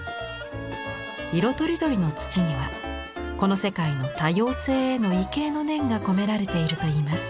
色とりどりの土にはこの世界の多様性への畏敬の念が込められているといいます。